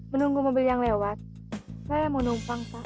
menunggu mobil yang lewat saya yang mau menumpang pak